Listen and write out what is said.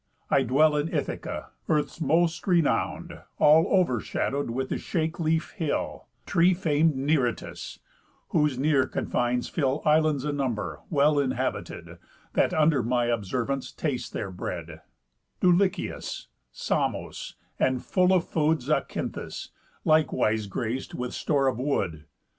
I dwell in Ithaca, earth's most renown'd, All over shadow'd with the shake leaf hill, Tree fam'd Neritus; whose near confines fill Islands a number, well inhabited, That under my observance taste their bread; Dulichius, Samos, and the full of food Zacynthus, likewise grac'd with store of wood.